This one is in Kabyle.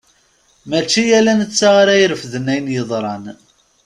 Mačči ala nettat ara irefden ayen yeḍran.